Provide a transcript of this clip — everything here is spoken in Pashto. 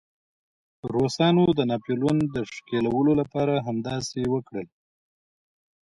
روسانو د ناپلیون د ښکېلولو لپاره همداسې وکړل.